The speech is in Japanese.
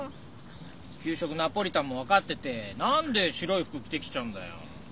きゅう食ナポリタンも分かってて何で白いふくきてきちゃうんだよ？